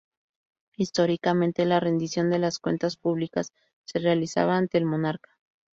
Históricamente la rendición de las cuentas públicas se realizaba ante el monarca.